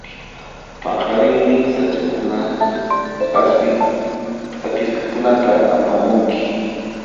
Paqarinmi sach'akunaq k'aspin p'akisqakunata apamunki.